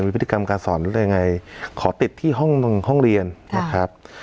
พฤติกรรมการสอนหรืออะไรยังไงขอติดที่ห้องห้องเรียนนะครับ